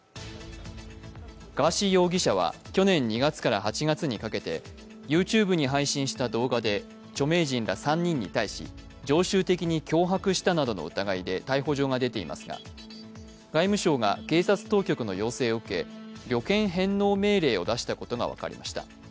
ガーシー容疑者は去年２月から８月にかけてＹｏｕＴｕｂｅに配信した動画で著名人ら３人に対し常習的に脅迫したなどの疑いで逮捕状が出ていますが外務省が警察当局の要請を受け、旅券返納命令を出したことが分かりました。